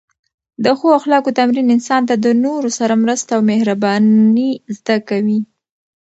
د ښو اخلاقو تمرین انسان ته د نورو سره مرسته او مهرباني زده کوي.